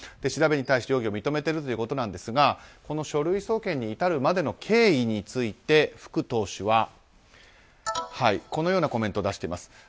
調べに対して容疑を認めているということですがこの書類送検に至るまでの経緯について、福投手はこのようなコメントを出してます。